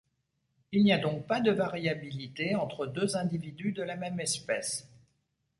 Il n'y a donc pas de variabilité entre deux individus de la même espèce.